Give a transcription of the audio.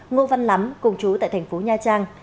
ngô văn lắm cùng chú tại tp nha trang